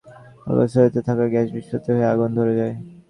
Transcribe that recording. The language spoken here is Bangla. অস্ত্রোপচারের সময় তাঁর পাকস্থলীতে থাকা গ্যাস বিস্ফোরিত হয়ে আগুন ধরে যায়।